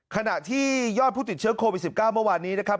ขณะที่ยอดผู้ติดเชื้อโควิด๑๙เมื่อวานนี้นะครับ